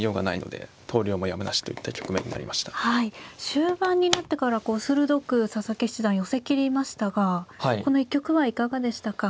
終盤になってから鋭く佐々木七段寄せきりましたがこの一局はいかがでしたか。